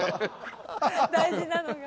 大事なのが。